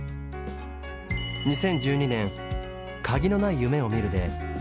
２０１２年「鍵のない夢を見る」で直木賞を受賞。